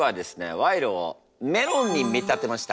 賄賂をメロンに見立てました。